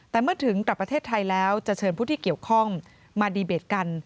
แต่เมื่อถึงกลับประเทศไทยแล้วจะเชิญผู้ที่เกี่ยวข้องมาดีเบตกัน